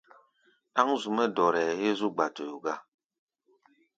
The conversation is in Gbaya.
Ɗáŋ zu-mɛ́ dɔrɛɛ héé zú gba-toyo gá.